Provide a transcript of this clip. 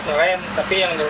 bus atau truk